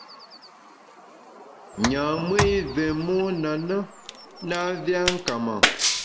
Nyam-ùe i vé mon a na, na vé a nka ma.